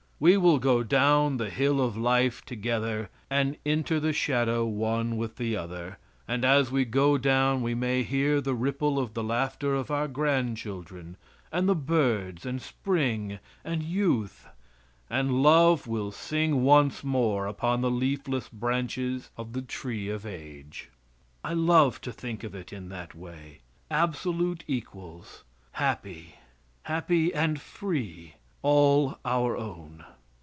We will go down the hill of life together, and enter the shadow one with the other, and as we go down we may hear the ripple of the laughter of our grandchildren, and the birds, and spring, and youth, and love will sing once more upon the leafless branches of the tree of age. I love to think of it in that way absolute equals, happy, happy, and free, all our own.